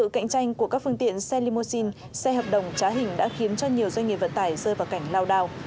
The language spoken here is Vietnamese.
cạnh tranh của các phương tiện xe limousine xe hợp đồng trá hình đã khiến cho nhiều doanh nghiệp vận tải rơi vào cảnh lao đao